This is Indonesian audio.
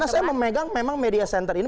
karena saya memang memegang media center ini